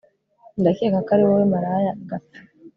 ndakeka ariwowe maraya gapfe